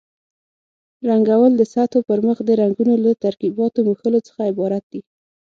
رنګول د سطحو پرمخ د رنګونو له ترکیباتو مښلو څخه عبارت دي.